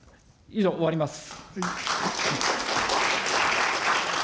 以上、終わります。